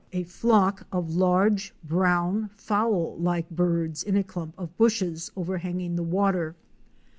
a flock of large, brown, fowl like birds in a clump of bushes overhanging the water.